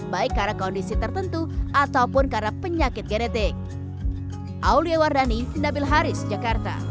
baik karena kondisi tertentu ataupun karena penyakit genetik